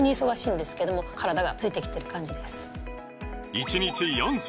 １日４粒！